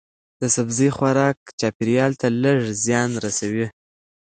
د سبزی خوراک چاپیریال ته لږ زیان رسوي.